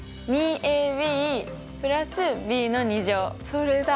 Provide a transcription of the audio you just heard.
それだ！